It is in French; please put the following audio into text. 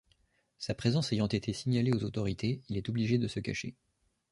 Sa présence ayant été signalée aux autorités, il est obligé de se cacher.